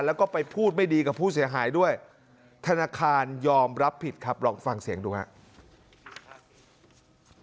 แล้วก็ไปพูดไม่ดีกับผู้เสียหายด้วยธนาคารยอมรับผิดครับลองฟังเสียงดูครับ